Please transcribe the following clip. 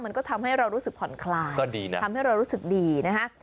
มันก็ทำให้เรารู้สึกผ่อนคลายก็ดีนะทำให้เรารู้สึกดีนะฮะ